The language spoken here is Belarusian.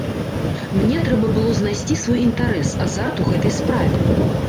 Мне трэба было знайсці свой інтарэс, азарт ў гэтай справе.